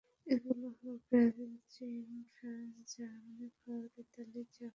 এগুলো হলো ব্রাজিল, চীন, France, Germany, Bharat, Italy, Japan, Russia, যুক্তরাজ্য ও যুক্তরাষ্ট্র।